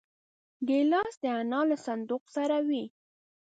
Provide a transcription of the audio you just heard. ګیلاس د انا له صندوق سره وي.